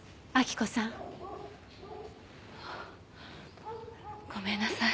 ごめんなさい。